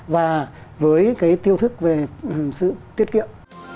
và với cái tiêu thức về sự tiết kiệm